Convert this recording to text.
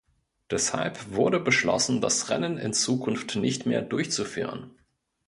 Deshalb wurde beschlossen, das Rennen in Zukunft nicht mehr durchzuführen.